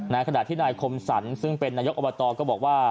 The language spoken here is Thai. ขณะที่นายคมสรรซึ่งเป็นนายกอบตก็บอกว่า